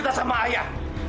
kita sama ayah